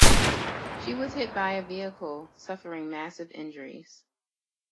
She was hit by a vehicle, suffering massive injuries.